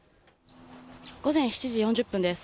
午前７時４０分です。